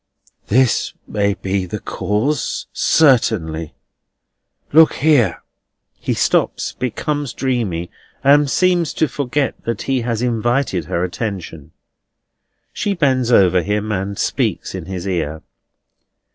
"That may be the cause, certainly. Look here." He stops, becomes dreamy, and seems to forget that he has invited her attention. She bends over him, and speaks in his ear.